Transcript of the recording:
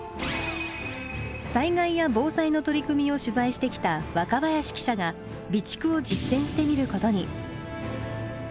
災害や防災の取り組みを取材してきた若林記者が備蓄を実践してみることに。